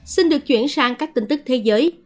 xin được chuyển sang các tin tức thế giới